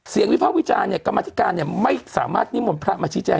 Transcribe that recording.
วิภาควิจารณ์เนี่ยกรรมธิการเนี่ยไม่สามารถนิมนต์พระมาชี้แจง